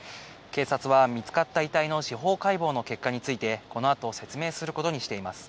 警察は、見つかった遺体の司法解剖の結果について、このあと説明することにしています。